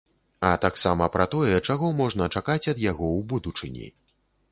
А таксама пра тое, чаго можна чакаць ад яго ў будучыні.